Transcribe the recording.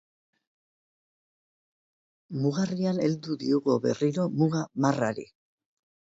Mugarrian heldu diogu berriro muga marrari.